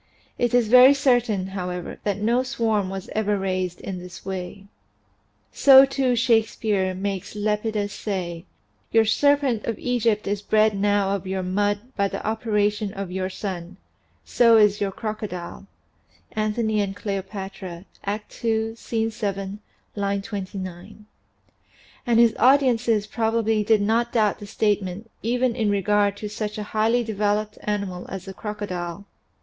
It is very certain, however, that no swarm was ever raised in this way. So too Shakespeare makes Lepidus say: "Your serpent of Egypt is bred now of your mud by the operation of your sun; so is your crocodile" ("Antony and Cleopatra," Act II, Scene 7, line 29). And his audiences probably did not doubt the state ment even in regard to such a highly developed animal as the crocodile.